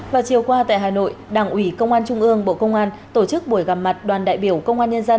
và chiều qua tại hà nội đảng ủy công an trung ương bộ công an tổ chức buổi gặp mặt đoàn đại biểu công an nhân dân